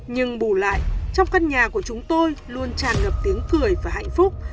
nhưng bù lại trong căn nhà của chúng tôi luôn tràn ngập tiếng cười và hạnh phúc